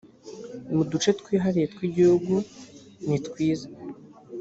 mu duce twihariye tw igihugu nitwiza